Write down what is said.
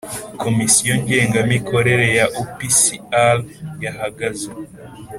Komisiyo ngengamikorere ya U P C R yahagaze